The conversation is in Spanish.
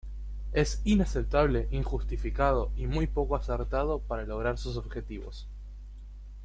Es inaceptable, injustificado y muy poco acertado para lograr sus objetivos.